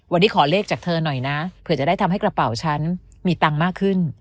วันนี้ขอเลขจากเธอหน่อยนะเผื่อจะได้ทำให้กระเป๋าฉันมีตังค์มากขึ้น